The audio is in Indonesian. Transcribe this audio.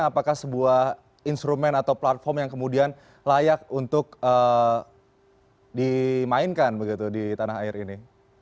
apakah sebuah instrumen atau platform yang kemudian layak untuk dimainkan begitu di tanah air ini